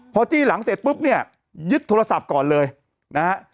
พอจี้หลังเสร็จปุ๊บเนี่ยยึดโทรศัพท์ก่อนเลยนะฮะ